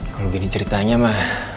kalau gini ceritanya mah